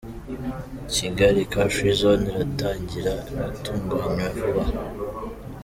Kigali ‘Car Free Zone’ iratangira gutunganywa vuba.